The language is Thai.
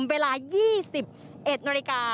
เวลา๒๑น